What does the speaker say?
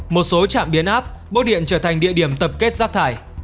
một số chạm biến áp bốt điện trở thành địa điểm tập kết rác thải